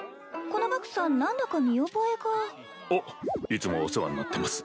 このバクさん何だか見覚えがあっいつもお世話になってます